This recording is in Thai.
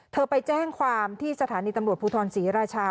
ไปแจ้งความที่สถานีตำรวจภูทรศรีราชา